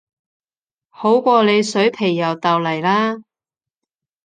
好過你水皮又豆泥啦